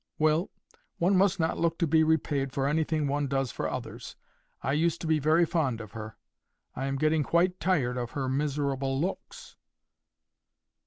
Well, one must not look to be repaid for anything one does for others. I used to be very fond of her: I am getting quite tired of her miserable looks."